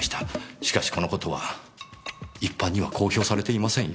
しかしこの事は一般には公表されていませんよ。